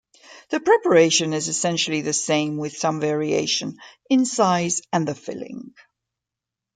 The preparation is essentially the same with some variation in size and the filling.